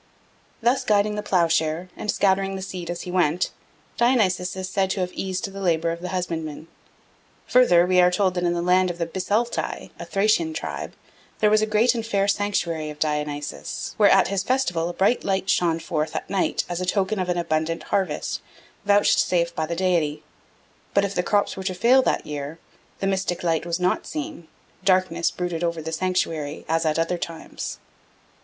Thus guiding the ploughshare and scattering the seed as he went, Dionysus is said to have eased the labour of the husbandman. Further, we are told that in the land of the Bisaltae, a Thracian tribe, there was a great and fair sanctuary of Dionysus, where at his festival a bright light shone forth at night as a token of an abundant harvest vouchsafed by the diety; but if the crops were to fail that year, the mystic light was not seen, darkness brooded over the sanctuary as at other times.